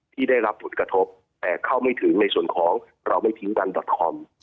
ที่ได้รับผลกระทบแต่เข้าไม่ถึงในส่วนของเราไม่ทิ้งดันดอตคอม